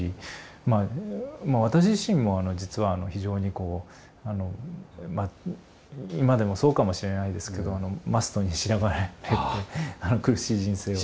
まあ私自身もあの実は非常にこう今でもそうかもしれないですけど「ｍｕｓｔ」に縛られて苦しい人生を。